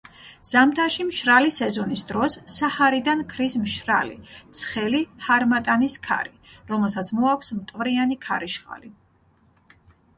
ზამთარში, მშრალი სეზონის დროს საჰარიდან ქრის მშრალი, ცხელი ჰარმატანის ქარი, რომელსაც მოაქვს მტვრიანი ქარიშხალი.